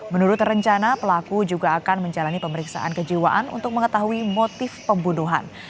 menurut rencana pelaku juga akan menjalani pemeriksaan kejiwaan untuk mengetahui motif pembunuhan